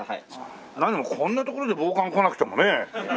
何もこんな所で暴漢来なくてもね。